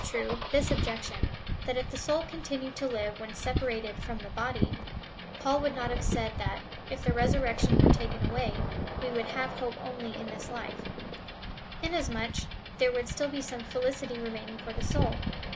true, this objection — that if the soul continued to live when separated from the body, Paul would not have said that, if the resurrection were taken away, we would have hope only in this life, inasmuch as there would still be some felicity remaining for the soul.